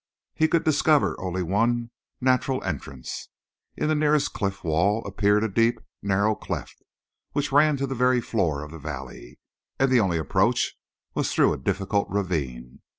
He could discover only one natural entrance; in the nearest cliff wall appeared a deep, narrow cleft, which ran to the very floor of the valley, and the only approach was through a difficult ravine.